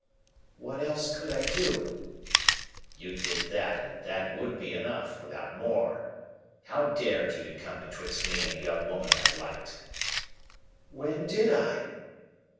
"What else could I do?" "You did that, and that would be enough, without more. How dared you to come betwixt me and a young woman I liked?" "When did I?"